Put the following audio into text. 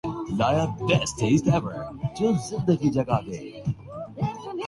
اور بَہُت دلکش اورخوبصورت انداز میں مَیں یِہ کو دانہ چننا ہونا